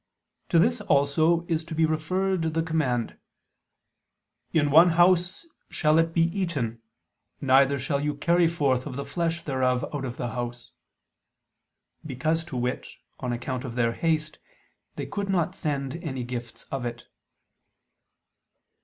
To this also is to be referred the command: "In one house shall it be eaten, neither shall you carry forth of the flesh thereof out of the house": because, to wit, on account of their haste, they could not send any gifts of it.